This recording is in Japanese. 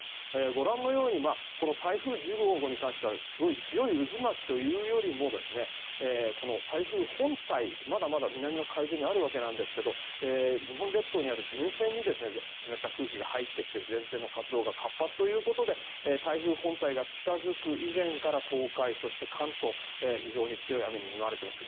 ご覧のように台風１５号に関しては強い渦巻きというよりも台風本体、まだまだ南の海上にあるわけなんですが日本列島にある前線に湿った空気が入ってきて前線の活動が活発ということで台風本体が近付く以前から東海、そして関東非常に強い雨に見舞われています。